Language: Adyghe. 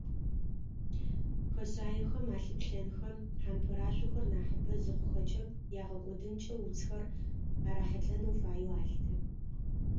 Хэшъаехэм алъыплъэнхэ, хьампӏырашъохэр нахьыбэ зыхъухэкӏэ ягъэкӏодынкӏэ уцхэр арахьылӏэнхэ фаеу алъытэ.